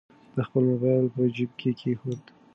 ده خپل موبایل په جیب کې کېښود.